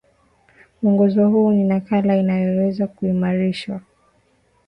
Mwongozo huu ni nakala inayoweza kuimarishwa